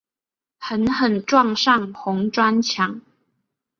狠狠撞上红砖墙